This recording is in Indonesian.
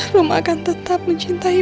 rumah akan tetap mencintai